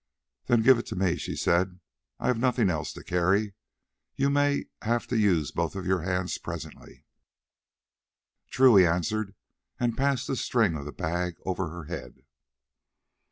"Then give it to me," she said; "I have nothing else to carry. You may have to use both your hands presently." "True," he answered, and passed the string of the bag over her head.